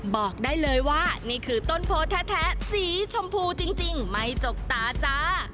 บอกได้เลยว่านี่คือต้นโพแท้สีชมพูจริงไม่จกตาจ้า